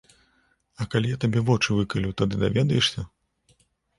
А калі я табе вочы выкалю, тады даведаешся?